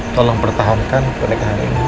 tolong pertahankan pernikahan ini